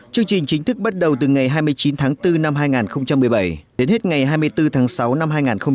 chương trình chính thức bắt đầu từ ngày hai mươi chín tháng bốn năm hai nghìn một mươi bảy đến hết ngày hai mươi bốn tháng sáu năm hai nghìn một mươi chín